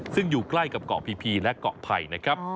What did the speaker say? ซึ่งอยู่ใกล้กับเกาะพีและเกาะไผ่นะครับ